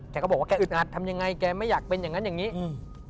แกก็บอกว่าแกอึดอัดทำยังไงแกไม่อยากเป็นอย่างงั้นอย่างงี้อืม